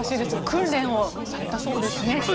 訓練をされたそうですね。